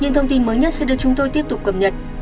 những thông tin mới nhất sẽ được chúng tôi tiếp tục cập nhật